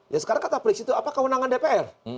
ya sekarang kata pris itu apa kewenangan dpr